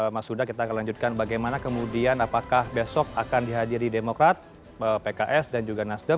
mas huda kita akan lanjutkan bagaimana kemudian apakah besok akan dihadiri demokrat pks dan juga nasdem